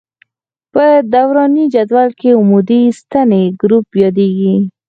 په دوراني جدول کې عمودي ستنې ګروپ یادیږي.